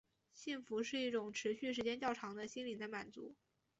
幸福是一种持续时间较长的心灵的满足。